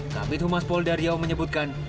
kami tumas pol dario menyebutkan